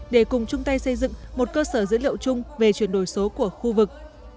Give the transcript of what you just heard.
để cùng chung tay xây dựng một cơ sở dữ liệu chung về chuyển đổi số của khu vực